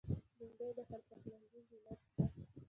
بېنډۍ د هر پخلنځي زینت ده